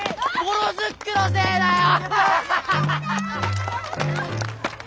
ボロズックのせいだよ！